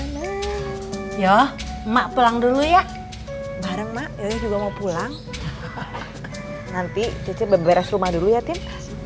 yo yo mak pulang dulu ya bareng mak juga mau pulang nanti beres rumah dulu ya tim